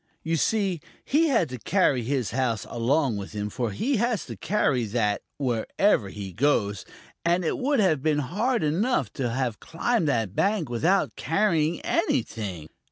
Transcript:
You see, he had to carry his house along with him, for he has to carry that wherever he goes, and it would have been hard enough to have climbed that bank without carrying anything.